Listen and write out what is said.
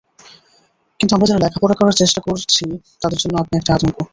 কিন্তু আমরা যারা লেখালেখি করার চেষ্টা করছি, তাদের জন্য আপনি একটা আতঙ্ক।